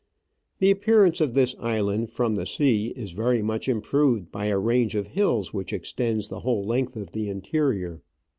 The appearance of this island from the sea is very much improved by a range of hills which extends the whole length of the interior.